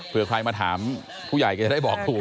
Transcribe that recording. เพื่อใครมาถามผู้ใหญ่ก็จะได้บอกถูก